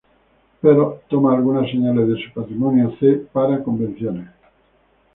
Perl toma algunas señales de su patrimonio C para convenciones.